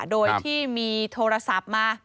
โดยที่มีโทรศัพท์มา